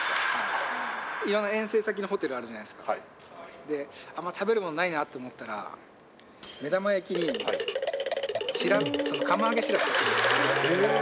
いろんな遠征先のホテルあるじゃないですか、あんま食べるものないなって思ったら、目玉焼きに釜揚げシラスが。